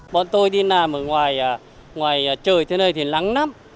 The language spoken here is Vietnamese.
bọn tôi đi làm ở ngoài trời thế này thì nắng lắm